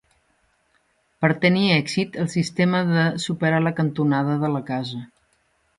Per tenir èxit, el sistema ha de superar la cantonada de la casa.